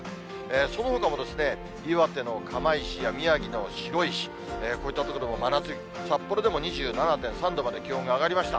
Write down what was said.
そのほかもですね、岩手の釜石や宮城の白石、こういった所でも真夏日、札幌でも２７．３度まで気温が上がりました。